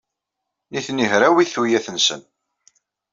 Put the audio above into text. Nitni hrawit tuyat-nsen.